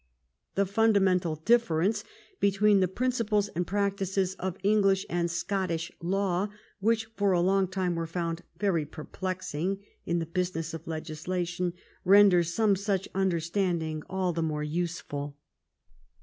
The fundamental difference between the prin ciples and practices of English and Scottish law which for a long time were found very perplexing in the busi ness of legislation render some such understanding all the more needful.